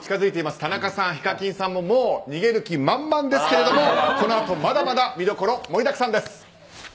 田中さん、ＨＩＫＡＫＩＮさんももう逃げる気満々ですけれどもこのあとまだまだ見どころ盛りだくさんです。